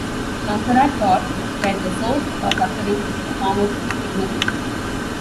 Shankara taught that the source of our suffering is a form of ignorance.